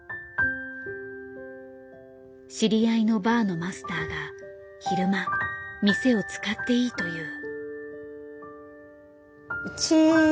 知り合いのバーのマスターが昼間店を使っていいという。